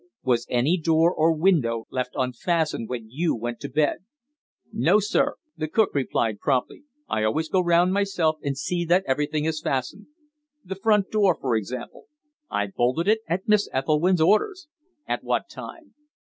Was any door or window left unfastened when you went to bed?" "No, sir," the cook replied promptly. "I always go round myself, and see that everything is fastened." "The front door, for example?" "I bolted it at Miss Ethelwynn's orders." "At what time?"